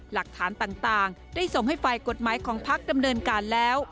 หลักฐานต่างได้ส่งให้ฝ่ายกฎหมายของพักดำเนินการแล้ว